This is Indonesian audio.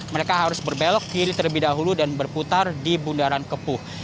mereka harus berbelok kiri terlebih dahulu dan berputar di bundaran kepuh